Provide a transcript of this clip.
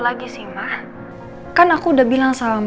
enggak tahu aber aber aber